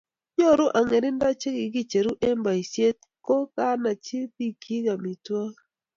nyoru ang'erindo che kikicheru eng' boisie ko nachi biikchich amitwigik